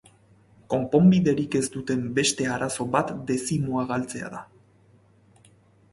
Konponbiderik ez duen beste arazo bat dezimoa galtzea da.